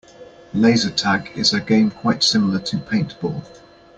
Laser tag is a game quite similar to paintball.